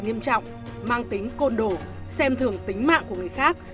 nghiêm trọng mang tính côn đổ xem thường tính mạng của người khác